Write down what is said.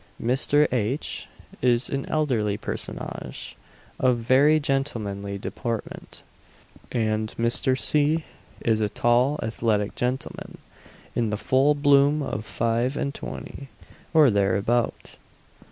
Mr. H. is an elderly personage, of very gentlemanly deportment, and Mr. C. is a tall, athletic gentleman, in the full bloom of five and twenty, or thereabout.